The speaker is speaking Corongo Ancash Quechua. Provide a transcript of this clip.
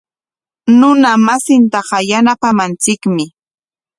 Runa masintaqa yanapananchikmi.